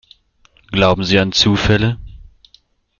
Glauben Sie an Zufälle?